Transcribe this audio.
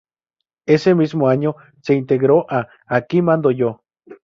Ese mismo año, se integró a "Aquí mando yo".